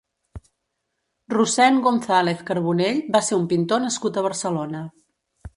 Rossend González Carbonell va ser un pintor nascut a Barcelona.